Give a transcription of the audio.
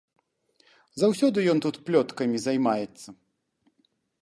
Заўсёды ён тут плёткамі займаецца.